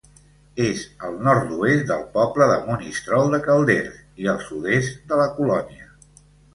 És al nord-oest del poble de Monistrol de Calders i al sud-est de la Colònia.